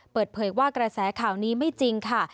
เปิดเผยว่ากระแสข่าวนี้ไม่จริงค่ะ